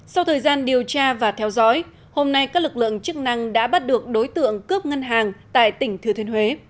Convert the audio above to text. sau thời gian điều tra và theo dõi hôm nay các lực lượng chức năng đã bắt được đối tượng cướp ngân hàng tại tỉnh thừa thiên huế